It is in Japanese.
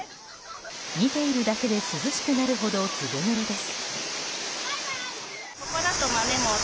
見ているだけで涼しくなるほどずぶぬれです。